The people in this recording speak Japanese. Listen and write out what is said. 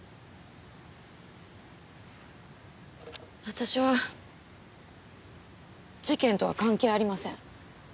私は事件とは関係ありません。